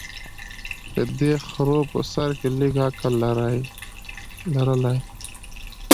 که دې خرو په سر کي لږ عقل لرلای